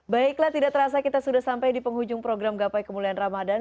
baiklah tidak terasa kita sudah sampai di penghujung program gapai kemuliaan ramadhan